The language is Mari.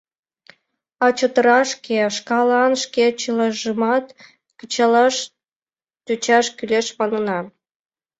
А чотракше шкалан шке чылажымат кычалаш тӧчаш кӱлеш, манына.